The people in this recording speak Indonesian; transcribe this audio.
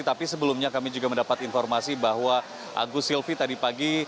tapi sebelumnya kami juga mendapat informasi bahwa agus silvi tadi pagi